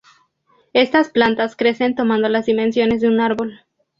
Estas plantas crecen tomando las dimensiones de un árbol.